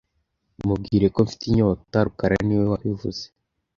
Mubwire ko mfite inyota rukara niwe wabivuze